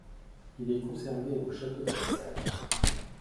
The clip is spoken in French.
Il est conservé au château de Versailles.